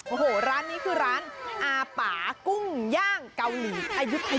โอ้โหร้านนี้คือร้านอาป่ากุ้งย่างเกาหลีอายุทยา